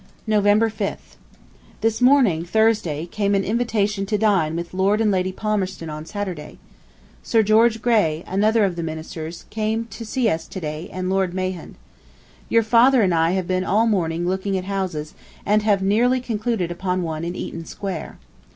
November 5th. This morning, Thursday, came an invitation to dine with Lord and Lady Palmerston on Saturday. Sir George Grey, another of the ministers, came to see us to day and Lord Mahon. Your father and I have been all the morning looking at houses, and have nearly concluded upon one in Eaton Square.